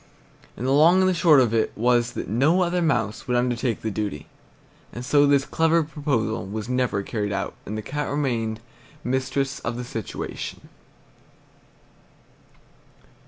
And the long and the short of it was that no other mouse would undertake the duty; and so this clever proposal was never carried out, and the Cat remained mistress of the situation.